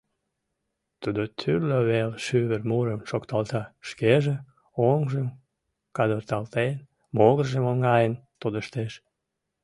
Тудо тӱрлӧ вел шӱвыр мурым шокталта; шкеже, оҥжым кадырталтен, могыржым оҥайын тодыштеш.